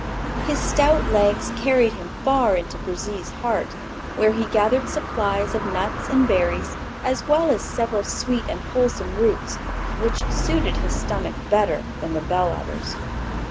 His stout legs carried him far into Burzee's heart, where he gathered supplies of nuts and berries, as well as several sweet and wholesome roots, which suited his stomach better than the belludders.